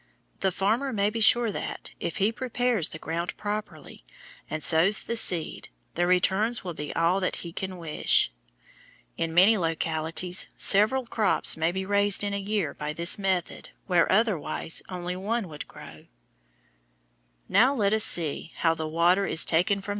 The farmer may be sure that, if he prepares the ground properly and sows the seed, the returns will be all that he can wish. In many localities several crops may be raised in a year by this method where otherwise only one would grow.